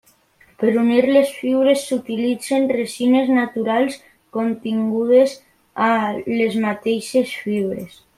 Per unir les fibres s'utilitzen resines naturals contingudes a les mateixes fibres.